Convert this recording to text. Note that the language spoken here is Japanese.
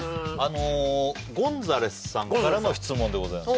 ゴンザレスさんからの質問でございます